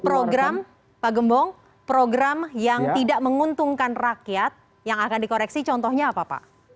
program pak gembong program yang tidak menguntungkan rakyat yang akan dikoreksi contohnya apa pak